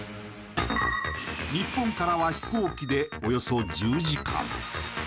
日本からは飛行機でおよそ１０時間。